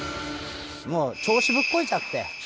もう調子ぶっこいちゃって。